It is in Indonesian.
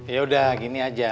yaudah gini aja